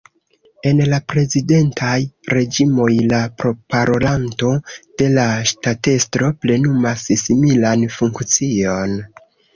En la prezidentaj reĝimoj, la proparolanto de la ŝtatestro plenumas similan funkcion.